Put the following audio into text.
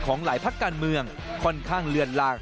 ของหลายภาคการเมืองค่อนข้างเลื่อนล่าง